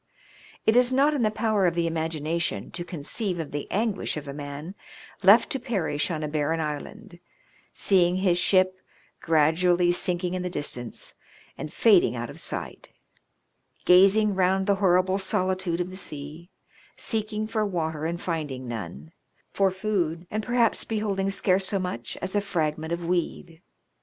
It is not in the power of the imagination to conceive of the anguish of a man left to perish on a barren island, seeing his ship gradually sinking in the distance and fading out of sight, gazing round the horrible solitude of the sea, seeking for water and finding none, for food, and perhaps beholding scarce so much as a fragment of weed.